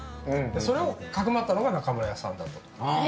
それをかくまったのが中村屋さんだった。